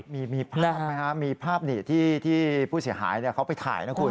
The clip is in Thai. มีภาพไหมครับมีภาพนี้ที่ผู้เสียหายเขาไปถ่ายนะคุณ